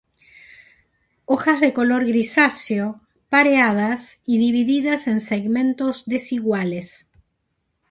Hojas de color grisáceo, pareadas y divididas en segmentos desiguales.